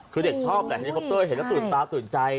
คือเด็กชอบแหละเฮลิคอปเตอร์เห็นแล้วตื่นตาตื่นใจ